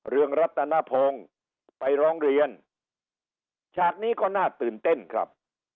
เรืองรัตนพงศ์ไปร้องเรียนฉากนี้ก็น่าตื่นเต้นครับ